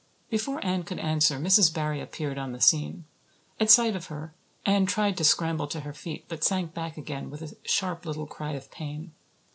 Before Anne could answer Mrs. Barry appeared on the scene. At sight of her Anne tried to scramble to her feet, but sank back again with a sharp little cry of pain.